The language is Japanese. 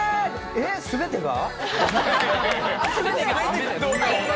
全てが？